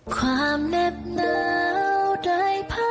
ความเหน็บเหนาได้ผ่านไป